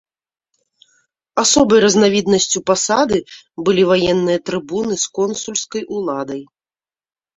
Асобай разнавіднасцю пасады былі ваенныя трыбуны з консульскай уладай.